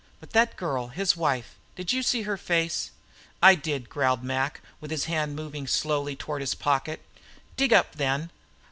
But that girl, his wife did you see her face?" "I did," growled Mac, with his hand moving slowly toward his pocket. "Dig up, then."